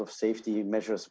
dan saya pikir itu